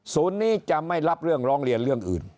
นี้จะไม่รับเรื่องร้องเรียนเรื่องอื่น